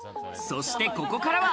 そして、ここからは。